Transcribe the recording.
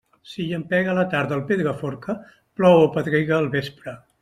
Si llampega a la tarda al Pedraforca, plou o pedrega al vespre.